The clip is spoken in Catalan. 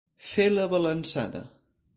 Fer la balançada.